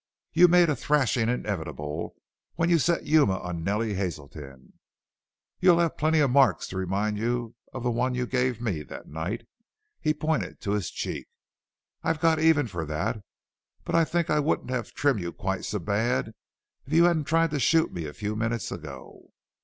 You made a thrashing inevitable when you set Yuma on Nellie Hazelton. You'll have plenty of marks to remind you of the one you gave me that night." He pointed to his cheek. "I've got even for that. But I think I wouldn't have trimmed you quite so bad if you hadn't tried to shoot me a few minutes ago."